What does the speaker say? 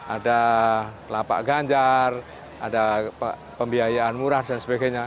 ada lapak ganjar ada pembiayaan murah dan sebagainya